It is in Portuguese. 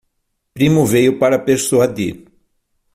Primo veio para persuadir